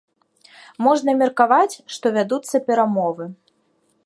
Можна меркаваць, што вядуцца перамовы.